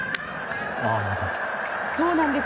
そうなんです。